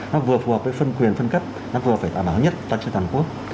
nó vừa phù hợp với phân quyền phân cấp nó vừa phải tỏa nổi nhất toàn truyền toàn quốc